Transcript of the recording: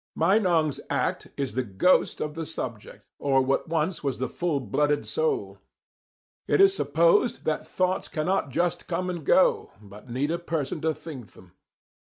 Meinong's "act" is the ghost of the subject, or what once was the full blooded soul. It is supposed that thoughts cannot just come and go, but need a person to think them.